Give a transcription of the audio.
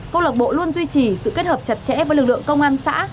công lạc bộ luôn duy trì sự kết hợp chặt chẽ với lực lượng công an xã